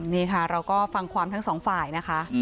นี่ค่ะเราก็ฟังความทั้งสองฝ่ายนะคะ